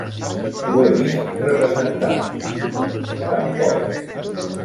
Ho he vist representar…; tampoc…